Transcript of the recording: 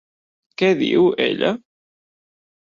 Què diu ella?